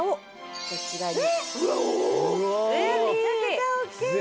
めちゃくちゃ大きい！